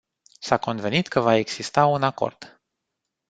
S-a convenit că va exista un acord.